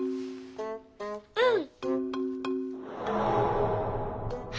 うん！